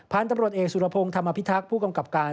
ตำรวจเอกสุรพงศ์ธรรมพิทักษ์ผู้กำกับการ